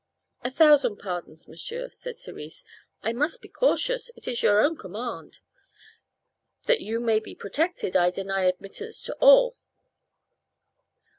"A thousand pardons, m'sieur," said Cerise. "I must be cautious; it is your own command. That you may be protected I deny admittance to all."